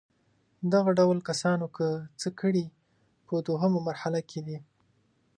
دغه ډول کسانو که څه ښه کړي په دوهمه مرحله کې دي.